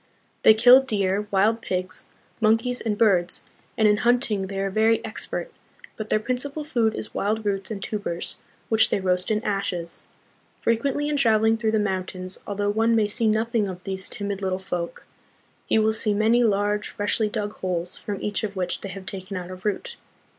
They kill deer, wild pigs, monkeys, and birds, and in hunting they are very expert; but their principal food is wild roots and tubers, which they roast in ashes. Frequently in travel ing through the mountains, although one may see nothing of these timid little folk, he will see many large, freshly dug holes from each of which they have taken out a root.